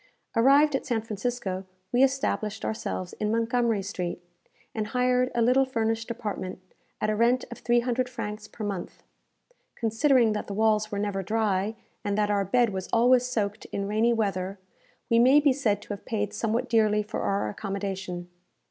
Arrived at San Francisco, we established ourselves in Montgomery Street, and hired a little furnished apartment, at a rent of three hundred francs per month. Considering that the walls were never dry, and that our bed was always soaked in rainy weather, we may be said to have paid somewhat dearly for our accommodation.